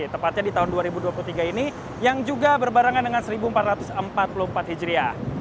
tepatnya di tahun dua ribu dua puluh tiga ini yang juga berbarengan dengan seribu empat ratus empat puluh empat hijriah